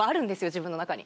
自分の中に。